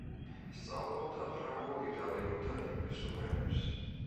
სწავლობდა ფრანგულ, იტალიურ და ინგლისურ ენებს.